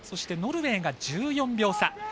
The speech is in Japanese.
ノルウェーが１４秒差。